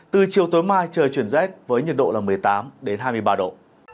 từ chiều tối mai trời chuyển rét với nhiệt độ là một mươi tám hai mươi ba độ